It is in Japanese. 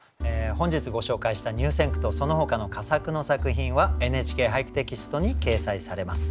本日ご紹介した入選句とそのほかの佳作の作品は「ＮＨＫ俳句」テキストに掲載されます。